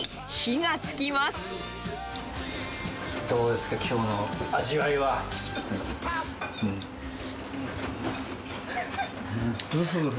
どうですか、きょうの味わいんふ、んふ。